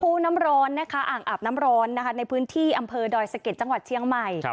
น้ำร้อนนะคะอ่างอาบน้ำร้อนนะคะในพื้นที่อำเภอดอยสะเก็ดจังหวัดเชียงใหม่